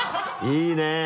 いいね！